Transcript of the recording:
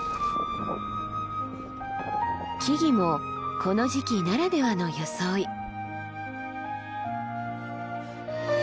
木々もこの時期ならではの装い。